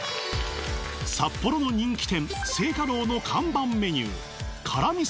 札幌の人気店星華楼の看板メニュー辛みそ